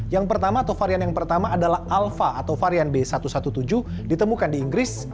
yang pertama atau varian yang pertama adalah alpha atau varian b satu satu tujuh ditemukan di inggris